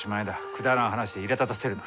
くだらん話でいらだたせるな。